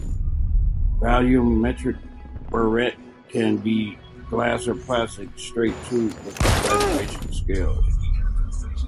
Volumetric burette can be glass or plastic stright tube with a graduation scale.